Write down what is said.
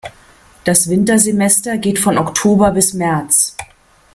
Das Wintersemester geht von Oktober bis März.